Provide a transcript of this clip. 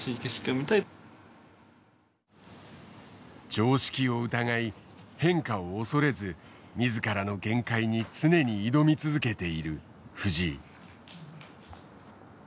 常識を疑い変化を恐れず自らの限界に常に挑み続けている藤井。